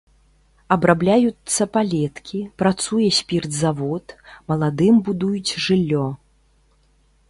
Абрабляюцца палеткі, працуе спіртзавод, маладым будуюць жыллё.